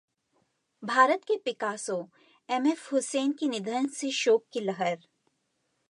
‘भारत के Picasso’ M F Husain के निधन से शोक की लहर